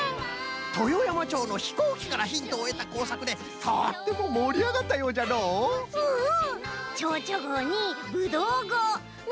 豊山町のひこうきからヒントをえた工作でとってももりあがったようじゃのううんうん！